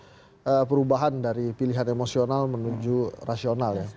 ada perubahan dari pilihan emosional menuju rasional ya